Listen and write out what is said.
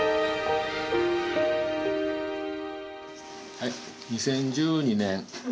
はい２０１２年。